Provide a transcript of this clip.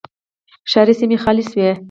ښاري سیمې خالي شوې